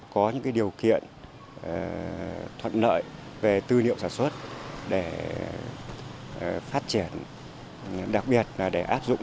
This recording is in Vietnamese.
có những điều kiện thuận lợi về tư liệu sản xuất để phát triển đặc biệt là để áp dụng